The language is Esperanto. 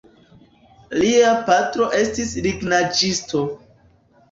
Lia patro estis lignaĵisto.